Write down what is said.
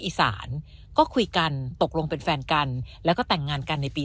อีสานก็คุยกันตกลงเป็นแฟนกันแล้วก็แต่งงานกันในปี